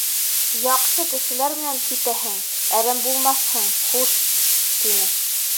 Яҡшы кешеләр менән китәһең, әрәм булмаҫһың, хуш, — тине.